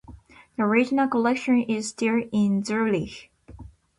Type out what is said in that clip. The original collection is still in Zurich.